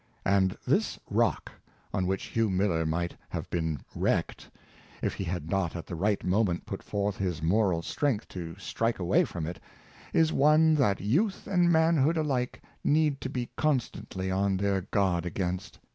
And this rock, on which Hugh Miller might have been wrecked, if he had not at the right moment put forth his moral strength to strike away from it, is one that youth and manhood alike need to be constantly on their guard against.